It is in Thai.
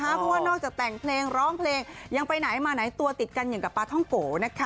เพราะว่านอกจากแต่งเพลงร้องเพลงยังไปไหนมาไหนตัวติดกันอย่างกับปลาท่องโกนะคะ